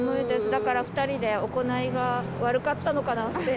だから２人で、行いが悪かったのかなって。